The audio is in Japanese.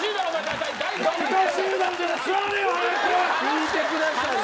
聞いてくださいよ。